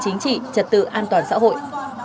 chính trị trật tự an toàn xã hội